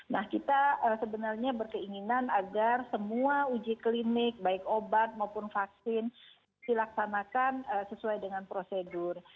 nah kita sebenarnya berkeinginan agar semua uji klinik baik obat maupun vaksin dilaksanakan sesuai dengan prosedur